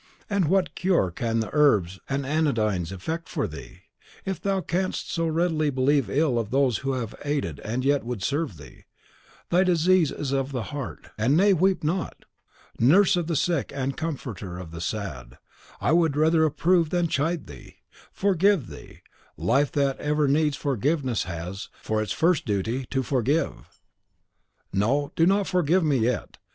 "And what cure can the herbs and anodynes effect for thee? If thou canst so readily believe ill of those who have aided and yet would serve thee, thy disease is of the heart; and nay, weep not! nurse of the sick, and comforter of the sad, I should rather approve than chide thee. Forgive thee! Life, that ever needs forgiveness, has, for its first duty, to forgive." "No, do not forgive me yet.